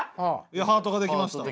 ハートが出来ました。